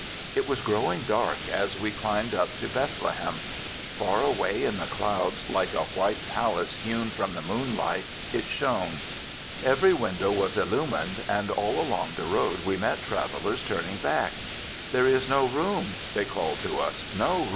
It was growing dark as we climbed up to Bethlehem; far away in the clouds, like a white pal ace hewn from the moonlight, it shone. Every window was illumined and all along the road we met travel ers turning back. 'There is no room,' they called to us, ' no room.'